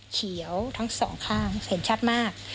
เขียวทั้งสองข้างเห็นชัดมาก